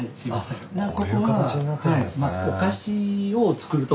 こういう形になってるんですね。